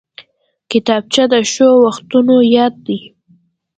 کتابچه د ښو وختونو یاد دی